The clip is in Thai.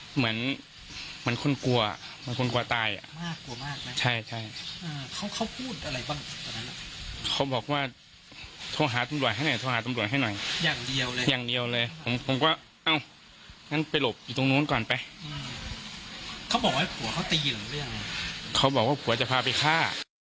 เหมือนเหมือนคนกลัวเหมือนคนกลัวตายอ่ะน่ากลัวมากนะใช่ใช่อ่าเขาเขาพูดอะไรบ้างตอนนั้นเขาบอกว่าโทรหาตำรวจให้หน่อยโทรหาตำรวจให้หน่อยอย่างเดียวเลยอย่างเดียวเลยผมผมก็เอ้างั้นไปหลบอยู่ตรงนู้นก่อนไปเขาบอกว่าผัวเขาตีหลงหรือยังเขาบอกว่าผัวจะพาไปฆ่า